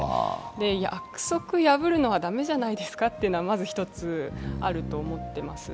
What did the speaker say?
約束破るのはだめじゃないですかというのはまず一つあると思っています。